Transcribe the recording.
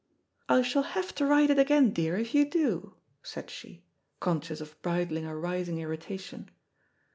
"I shall have to write it again, dear, if you do," said she, conscious of bridling a rising irritation.